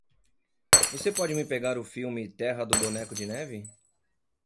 Você pode me pegar o filme Terra do Boneco de Neve?